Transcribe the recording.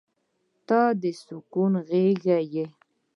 • ته د سکون غېږه یې.